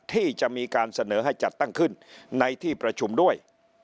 ที่จะมีการเสนอให้จัดตั้งขึ้นในที่ประชุมด้วย